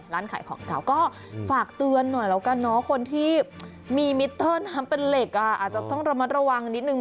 ร้านขายของเก่าก็ฝากเตือนหน่อยแล้วกันเนาะคนที่มีมิเตอร์น้ำเป็นเหล็กอ่ะอาจจะต้องระมัดระวังนิดนึง